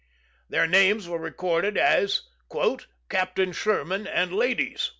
Their names were recorded as "Captain Sherman and ladies."